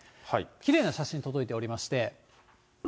きれいな写真、届いておりまして。